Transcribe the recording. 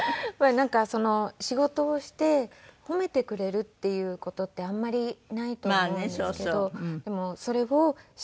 なんか仕事をして褒めてくれるっていう事ってあんまりないと思うんですけどでもそれをしてくださって。